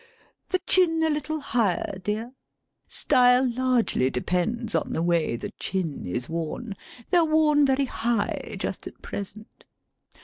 The chin a little higher, dear. Style largely depends on the way the chin is worn. They are worn very high, just at present.